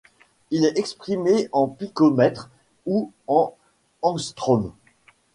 Il est exprimé en picomètres ou en angströms.